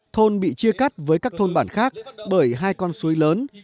thôn bị chia cắt với các thôn bản khác bởi hai con suối lớn